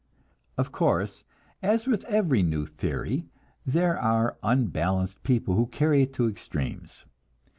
Of course, as with every new theory, there are unbalanced people who carry it to extremes.